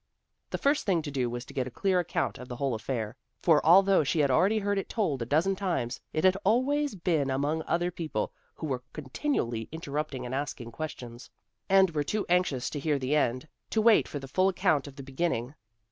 The first thing to do was to get a clear account of the whole affair; for although she had already heard it told a dozen times, it had always been among other people, who were continually interrupting and asking questions, and were too anxious to hear the end, to wait for the full account of the beginning.